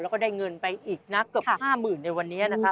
แล้วก็ได้เงินไปอีกนะเกือบ๕๐๐๐ในวันนี้นะครับ